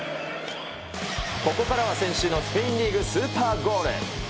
ここからは先週のスペインリーグスーパーゴール。